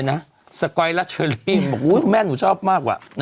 อะไรนะ